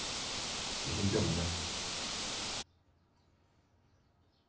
で品評会な。